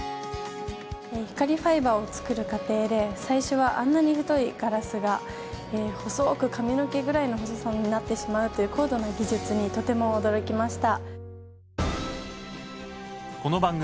光ファイバーを作る過程で最初はあんなに太いガラスが細く髪の毛くらいの細さになってしまうという高度な技術にとても驚きました。